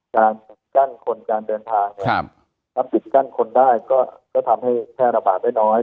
การกั้นคนการเดินทางเนี่ยถ้าปิดกั้นคนได้ก็ทำให้แพร่ระบาดได้น้อย